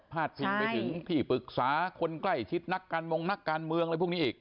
พิงไปถึงที่ปรึกษาคนใกล้ชิดนักการมงนักการเมืองอะไรพวกนี้อีก